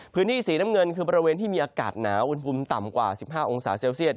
พื้นที่สีน้ำเงินคือบริเวณที่มีอากาศหนาวอุณหภูมิต่ำกว่า๑๕องศาเซลเซียต